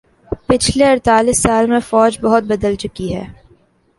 پچھلے اڑتالیس سالہ میں فوج بہت بدلہ چک ہے